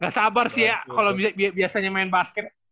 gak sabar sih ya kalau biasanya main basket